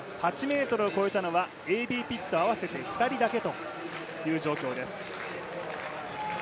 ８ｍを超えたのはＡＢピット合わせて２人だけという状況です。